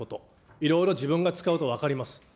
いろいろ自分が使うと分かります。